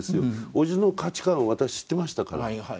おじの価値観私知ってましたから。